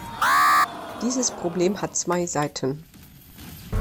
Dieses Problem hat zwei Seiten.